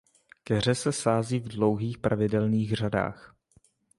Keře se sází v dlouhých pravidelných řadách.